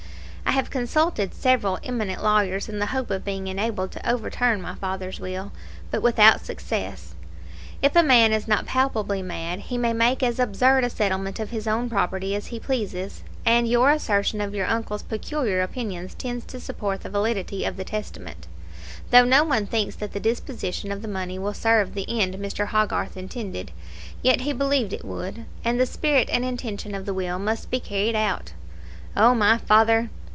I have consulted several eminent lawyers in the hope of being enabled to overturn my father's will, but without success. If a man is not palpably mad he may make as absurd a settlement of his own property as he pleases; and your assertion of your uncle's peculiar opinions tends to support the validity of the testament. Though no one thinks that the disposition of the money will serve the end Mr. Hogarth intended, yet he believed it would, and the spirit and intention of the will must be carried out. Oh, my father!